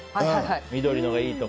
緑のがいいとか。